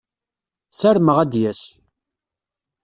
Sarmeɣ ad d-yas.